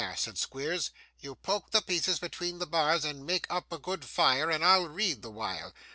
said Squeers; 'you poke the pieces between the bars, and make up a good fire, and I'll read the while.